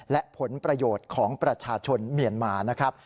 และผลประโยชน์ของประชาชนเมียนมานะครับ